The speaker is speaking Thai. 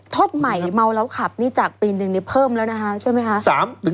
โทษใหม่เมาแล้วขับนี่จากปีหนึ่งนี่เพิ่มแล้วนะคะใช่ไหมคะ